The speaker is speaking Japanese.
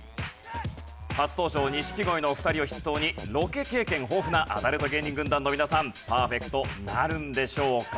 初登場錦鯉のお二人を筆頭にロケ経験豊富なアダルト芸人軍団の皆さんパーフェクトなるんでしょうか？